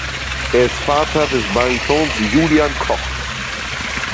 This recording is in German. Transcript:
Er ist Vater des Baritons Julian Koch.